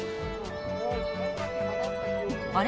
あれ？